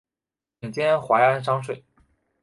贬监怀安商税。